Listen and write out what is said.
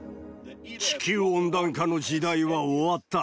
地球温暖化の時代は終わった。